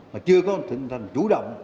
mà chưa có một tình hình chú động